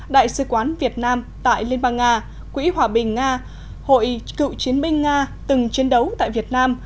đại sứ quán việt nam tại liên bang nga quỹ hòa bình nga hội cựu chiến binh nga từng chiến đấu tại việt nam